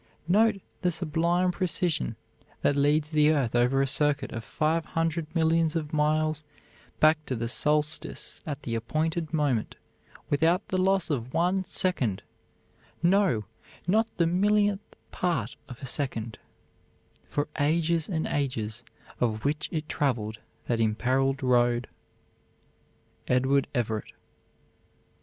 Note the sublime precision that leads the earth over a circuit of five hundred millions of miles back to the solstice at the appointed moment without the loss of one second, no, not the millionth part of a second, for ages and ages of which it traveled that imperiled road. EDWARD EVERETT.